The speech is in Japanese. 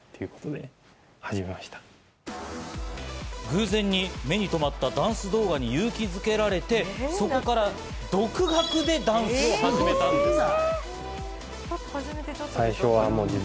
偶然、目に留まったダンス動画に勇気づけられて、そこから独学でダンスを始めたんです。